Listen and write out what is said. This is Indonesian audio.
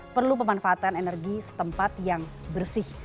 perlu pemanfaatan energi setempat yang bersih